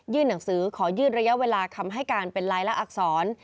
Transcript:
หนังสือขอยืดระยะเวลาคำให้การเป็นลายละอักษร